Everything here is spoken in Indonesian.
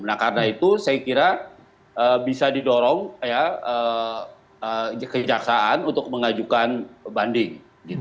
nah karena itu saya kira bisa didorong kejaksaan untuk mengajukan banding